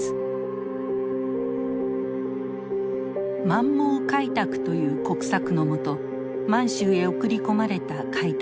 「満蒙開拓」という国策のもと満州へ送り込まれた開拓民。